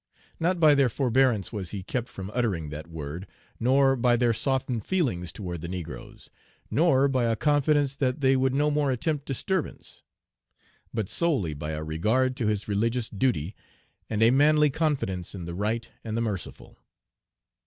Not by their forbearance was he kept from uttering that word; nor by their softened feelings toward the negroes; nor by a confidence that they would no more attempt disturbance; but solely by a regard to his religious duty, and a manly confidence in the right and the merciful.